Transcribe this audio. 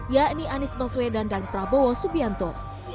yakni anies baswedan dan prabowo subianto